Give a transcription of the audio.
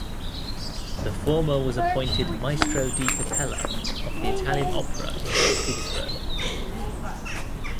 The former was appointed "maestro di capella" of the Italian opera in Saint Petersburg.